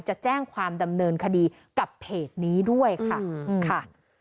จะแจ้งความดำเนินคดีกับเพจนี้ด้วยค่ะ